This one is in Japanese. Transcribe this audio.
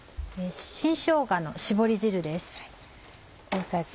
新しょうがのしぼり汁です。